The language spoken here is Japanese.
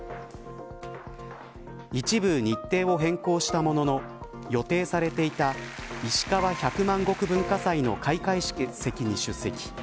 一部日程を変更したものの予定されていたいしかわ百万石文化祭の開会式に出席。